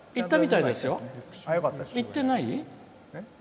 いってない？